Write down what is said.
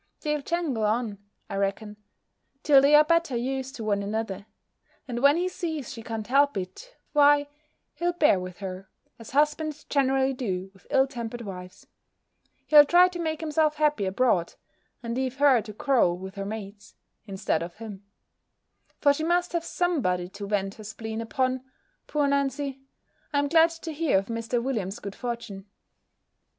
They'll jangle on, I reckon, till they are better used to one another; and when he sees she can't help it, why he'll bear with her, as husbands generally do with ill tempered wives; he'll try to make himself happy abroad, and leave her to quarrel with her maids, instead of him; for she must have somebody to vent her spleen upon poor Nancy! I am glad to hear of Mr. Williams's good fortune.